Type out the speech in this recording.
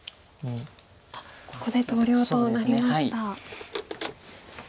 ここで投了となりました。